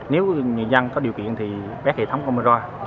nếu người dân có điều kiện thì quét hệ thống camera